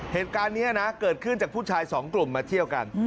เหตุการณ์นี้นะเกิดขึ้นจากผู้ชายสองกลุ่มมาเที่ยวกัน